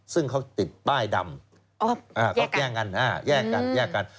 ซึ่งเขาติดป้ายดำแยกกัน